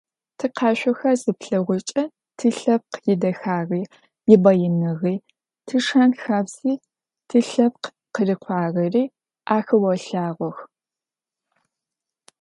Тикъашъохэр зыплъэгъукӏэ тилъэпкъ идэхагъи, ибаиныгъи, тишэн-хабзи, тилъэпкъ къырыкӏуагъэри ахэолъагъох.